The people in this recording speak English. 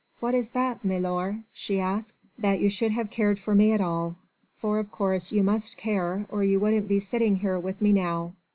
"What is that, milor?" she asked. "That you should have cared for me at all. For of course you must care, or you wouldn't be sitting here with me now